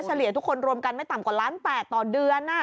เลี่ยทุกคนรวมกันไม่ต่ำกว่าล้าน๘ต่อเดือน